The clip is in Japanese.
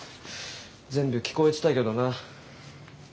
全部聞こえてたけどな。